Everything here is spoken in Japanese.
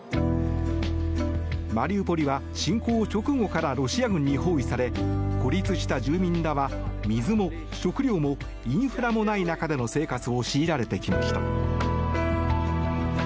マリウポリは侵攻直後からロシア軍に包囲され孤立した住民らは水も食料もインフラもない中での生活を強いられてきました。